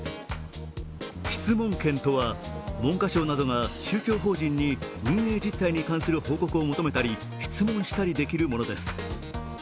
質問権とは文科省等が宗教法人に運営実態に関する報告を求めたり質問したりできるものです。